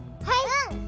はい！